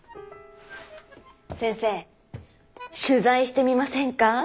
先生取材してみませんか？